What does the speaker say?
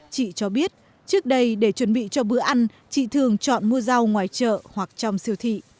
chị cho biết trước đây để chuẩn bị cho bữa ăn chị thường chọn mua rau ngoài chợ hoặc trong siêu thị